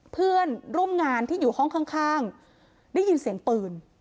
เพื่อนร่วมงานที่อยู่ห้องข้างได้ยินเสียงปืน